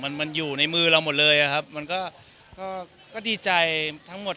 มันมันอยู่ในมือเราหมดเลยอะครับมันก็ก็ดีใจทั้งหมด